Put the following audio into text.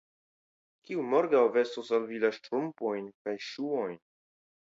kiu morgaŭ vestos al vi la ŝtrumpojn kaj ŝuojn?